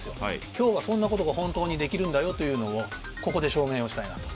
今日はそんなことが本当にできるんだよというのをここで証明をしたいなと。